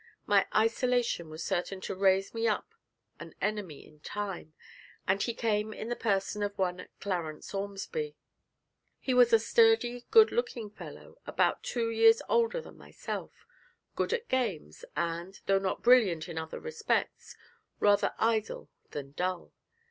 My isolation was certain to raise me up an enemy in time, and he came in the person of one Clarence Ormsby. He was a sturdy, good looking fellow, about two years older than myself, good at games, and, though not brilliant in other respects, rather idle than dull.